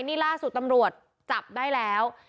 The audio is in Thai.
นี่ล่าสุดตำรวจจับได้แล้ว